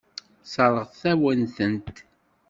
Sseṛɣeɣ-awen-tent.